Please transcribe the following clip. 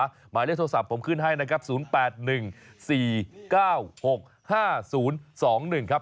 หมายเลขโทรศัพท์ผมขึ้นให้นะครับ๐๘๑๔๙๖๕๐๒๑ครับ